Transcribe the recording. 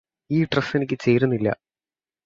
ഈ ഡ്രസ്സ് എനിക്ക് ചേരുന്നില്ലാ